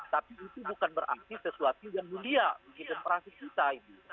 tapi itu bukan berarti sesuatu yang mulia di sistem prase kita ini